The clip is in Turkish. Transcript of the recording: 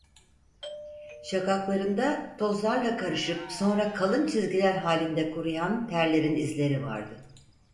Şakaklarında, tozlarla karışıp sonra kalın çizgiler halinde kuruyan terlerin izleri vardı.